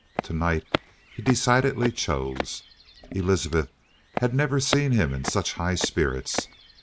Tonight he decidedly chose. Elizabeth had never see him in such high spirits.